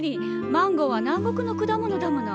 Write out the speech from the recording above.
マンゴーは南国の果物だもの。